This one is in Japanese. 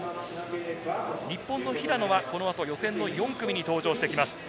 日本の平野は予選４組に登場してきます。